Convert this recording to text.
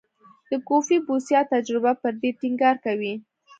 د کوفي بوسیا تجربه پر دې ټینګار کوي.